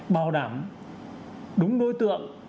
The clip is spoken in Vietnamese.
bảo đảm đúng đối tượng